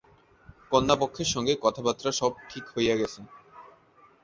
কন্যাপক্ষের সঙ্গে কথাবার্তা সব ঠিক হইয়া গেছে?